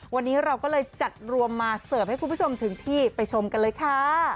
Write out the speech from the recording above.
วันนี้เราก็เลยจัดรวมมาเสิร์ฟให้คุณผู้ชมถึงที่ไปชมกันเลยค่ะ